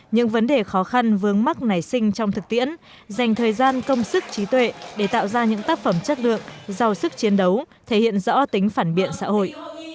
những vấn đề khó khăn vướng mắt nảy sinh trong thực tiễn dành thời gian công sức trí tuệ để tạo ra những tác phẩm chất lượng giàu sức chiến đấu thể hiện rõ tính phản biện xã hội